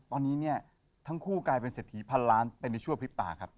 ตอนนี้เนี่ยทั้งคู่กลายเป็นเศรษฐีพันล้านเป็นในชั่พลิบตาครับ